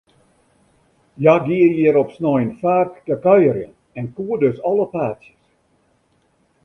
Hja gie hjir op snein faak te kuierjen, en koe dus alle paadsjes.